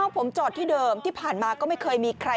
ผมจอดที่เดิมที่ผ่านมาก็ไม่เคยมีใคร